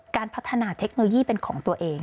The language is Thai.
การพัฒนาเทคโนโลยีเป็นของตัวเอง